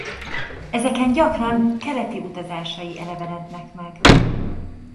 Ezeken gyakran keleti utazásai elevenednek meg.